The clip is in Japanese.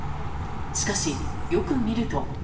しかし、よく見ると。